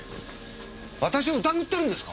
私を疑ってるんですか？